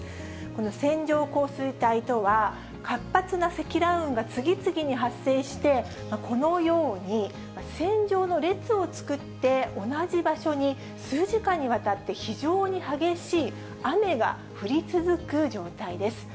この線状降水帯とは、活発な積乱雲が次々に発生して、このように、線状の列を作って同じ場所に数時間にわたって非常に激しい雨が降り続く状態です。